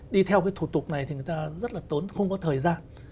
đi theo cái thủ tục này thì người ta rất là tốn không có thời gian